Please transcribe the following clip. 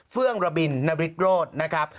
เฟื่องระบินนบริกโรธนะครับ